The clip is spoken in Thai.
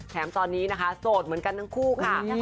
แถมตอนนี้นะคะโสดเหมือนกันทั้งคู่ค่ะ